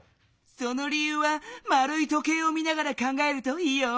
その理ゆうはまるい時計を見ながら考えるといいよ。